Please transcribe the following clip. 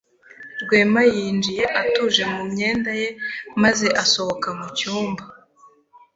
Rwema yinjiye atuje mu myenda ye maze asohoka mu cyumba.